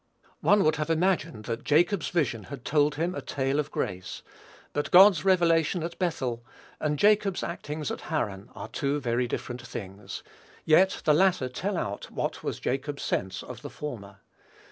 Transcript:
One would have imagined that Jacob's vision had told him a tale of grace; but God's revelation at Bethel, and Jacob's actings at Haran, are two very different things; yet the latter tell out what was Jacob's sense of the former.